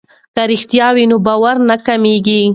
که رښتیا وي نو باور نه کمیږي.